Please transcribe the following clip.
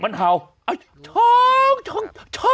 มันเผาช้าง